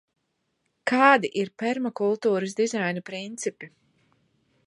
Kādi ir permakultūras dizaina principi?